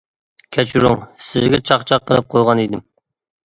كەچۈرۈڭ، سىزگە چاقچاق قىلىپ قويغان ئىدىم.